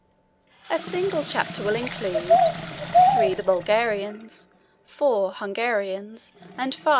A single chapter will include, III. The Bulgarians, IV. Hungarians, and, V.